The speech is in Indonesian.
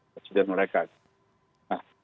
presiden mereka nah